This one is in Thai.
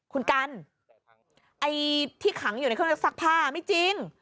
คุณกันไอ้ที่ขังอยู่ในเครื่องซักผ้าไม่จริง